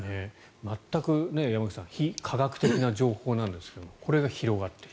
全く山口さん非科学的な情報なんですがこれが広がっている。